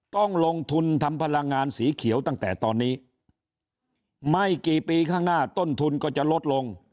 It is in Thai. ต้องลงทุนทำพลังงานสีเขียวตั้งแต่ตอนนี้ไม่กี่ปีข้างหน้าต้นทุนก็จะลดลง